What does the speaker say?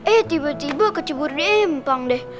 eh tiba tiba kecebur rempong deh